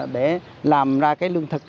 để làm ra cái lương thực